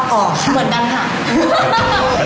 เหมือนกันค่ะ